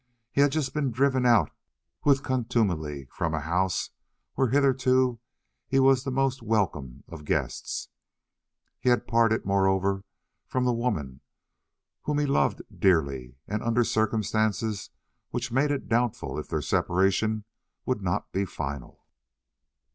He had just been driven with contumely from a house where hitherto he was the most welcome of guests; he had parted, moreover, from the woman whom he loved dearly, and under circumstances which made it doubtful if their separation would not be final.